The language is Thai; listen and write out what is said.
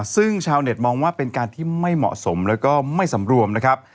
ซึ่งชาวเน็ตมองว่าเป็นการที่ไม่เหมาะสมแล้วก็ไม่สำรวมนะครับ